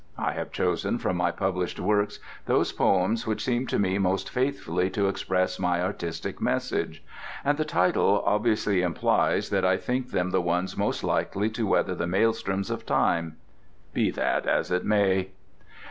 I have chosen from my published works those poems which seemed to me most faithfully to express my artistic message; and the title obviously implies that I think them the ones most likely to weather the maëlstroms of Time. Be that as it may.